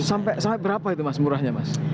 sampai berapa itu mas murahnya mas